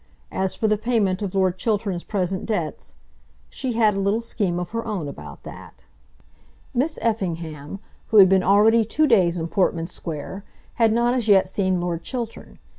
As for the payment of Lord Chiltern's present debts; she had a little scheme of her own about that. Miss Effingham, who had been already two days in Portman Square, had not as yet seen Lord Chiltern.